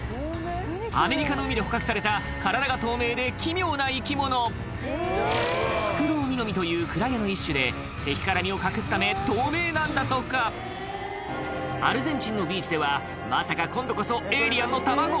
アメリカの海で捕獲された体が透明で奇妙な生き物フクロウミノミというクラゲの一種で敵から身を隠すため透明なんだとかアルゼンチンのビーチではまさか今度こそエイリアンの卵？